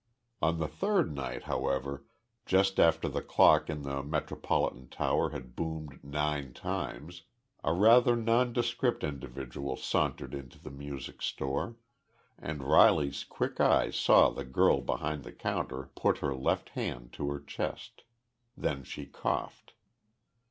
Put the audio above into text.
On the third night, however, just after the clock in the Metropolitan Tower had boomed nine times, a rather nondescript individual sauntered into the music store, and Riley's quick eyes saw the girl behind the counter put her left hand to her chest. Then she coughed.